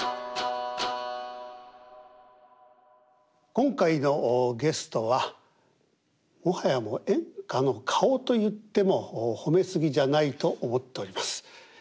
今回のゲストはもはやもう演歌の顔と言っても褒め過ぎじゃないと思っております。